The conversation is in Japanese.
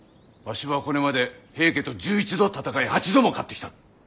わしはこれまで平家と１１度戦い８度も勝ってきた！